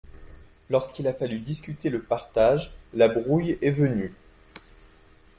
Lorsqu'il a fallu discuter le partage, la brouille est venue.